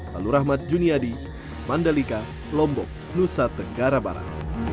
lalu rahmat juniadi mandalika lombok nusa tenggara barat